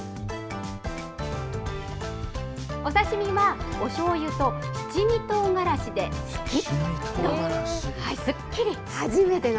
お刺身は、おしょうゆと七味とうがらしですきっ。